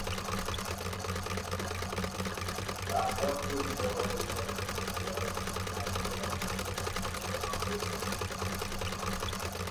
টাকার সুবিধা হইয়াছে বলিয়াই খামকা মাকে হাসপাতালে পাঠাইব?